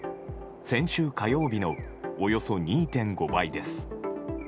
先週火曜日のおよそ２．５倍です。